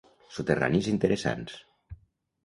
Soterranis interessants.